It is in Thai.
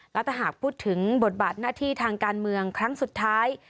และถ้าหากพูดถึงบทบาทหน้าที่ทางการเมืองครั้งสุดท้าย